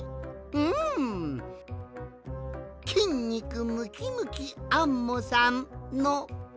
「きんにくムキムキアンモさん」の「き」！